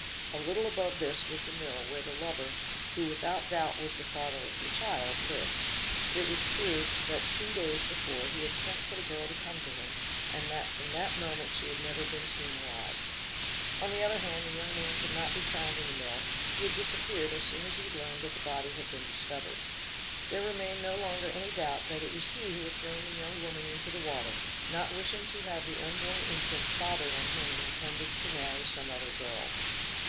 A little above this was the mill where the lover, ' who without doubt was the father of her child, lived. It was proved that two days before he had sent for the girl to come to him and that from that moment she had never been seen alive. On the other hand | the young man could not be found in the mill, he had disappeared as soon as he learned that the body had been discovered. There remained no longer any doubt that it was he who had thrown the young woman into the water, not wishing to have the unborn infant fathered on him _ and intending to marry some other girl.